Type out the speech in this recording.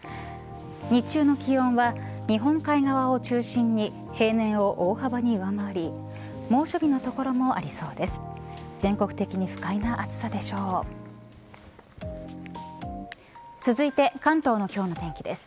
日中の気温は日本海側を中心に平年を大幅に上回り猛暑日の所もありそうです。